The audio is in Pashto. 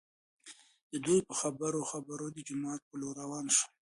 دوي په خبرو خبرو د جومات په لور راوان شول.